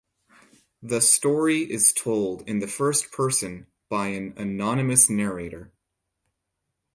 The story is told in the first person by an anonymous narrator.